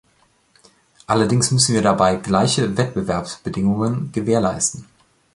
Allerdings müssen wir dabei gleiche Wettbewerbsbedingungen gewährleisten.